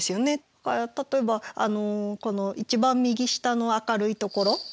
例えばこの一番右下の明るいところ。